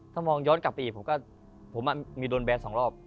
ถ้ามองย้อนกลับไปอีกผมมีโดนแบนสองรอบ